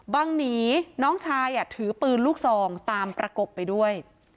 หนีน้องชายถือปืนลูกซองตามประกบไปด้วย